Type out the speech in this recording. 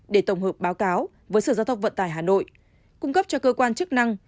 để tổng hợp báo cáo với sở giao thông vận tải hà nội cung cấp cho cơ quan chức năng